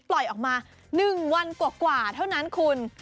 ปล่อยออกมา๑วันกว่าเท่านั้นคุณ